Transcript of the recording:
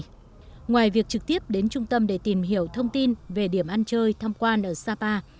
lào cai ngoài việc trực tiếp đến trung tâm để tìm hiểu thông tin về điểm ăn chơi tham quan ở sapa